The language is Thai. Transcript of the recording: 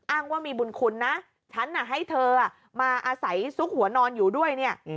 อ้างว่ามีบุญคุณนะฉันน่ะให้เธอมาอาศัยซุกหัวนอนอยู่ด้วยเนี่ย